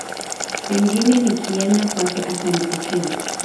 Pengine nikienda kwake atanipokea